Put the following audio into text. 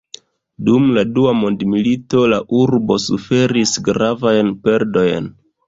Dum la dua mondmilito la urbo suferis gravajn perdojn.